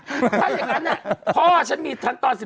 ถ้าอย่างนั้นน่ะพ่อฉันมีทั้งตอน๑๗๑๘